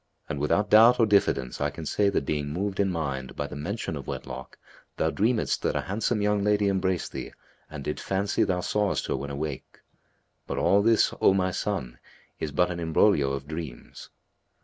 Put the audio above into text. and without doubt or diffidence I can say that being moved in mind by the mention of wedlock thou dreamedst that a handsome young lady embraced thee and didst fancy thou sawest her when awake. But all this, O my son, is but an imbroglio of dreams."